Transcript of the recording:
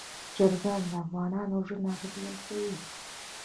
چرګان د افغانانو ژوند اغېزمن کوي.